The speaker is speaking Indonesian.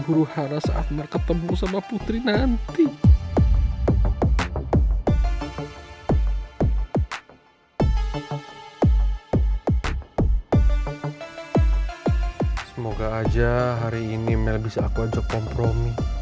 huru hara saat marketing sama putri nanti semoga aja hari ini mel bisa aku ajak kompromi